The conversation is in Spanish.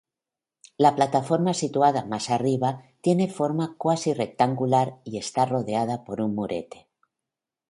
La plataforma situada más arriba tiene forma cuasi-rectangular y está rodeada por un murete.